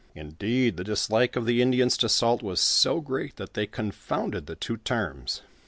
Indeed, the dislike of the In dians to salt was so great, that they confounded the two terms.